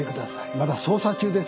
まだ捜査中ですから。